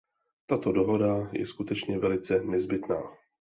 Tato dohoda je skutečně velice nezbytná.